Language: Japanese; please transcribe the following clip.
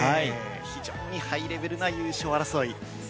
非常にハイレベルな優勝争い。